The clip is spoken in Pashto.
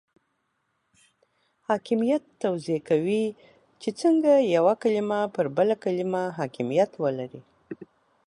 حاکمیت توضیح کوي چې څنګه یوه کلمه پر بله کلمه حاکمیت ولري.